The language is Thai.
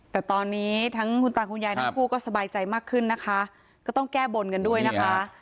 แต่ตอนนี้ทั้งคุณตาคุณยายทั้งคู่ก็สบายใจมากขึ้นนะคะก็ต้องแก้บนกันด้วยนะคะ